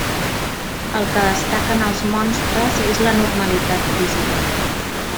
El que destaca en els monstres és l'anormalitat física.